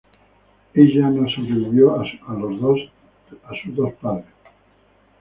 Ella no sobrevivió a sus de sus padres.